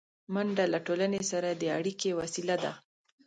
منډه له ټولنې سره د اړیکې وسیله ده